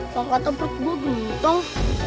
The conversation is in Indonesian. kalau kata perut gua benteng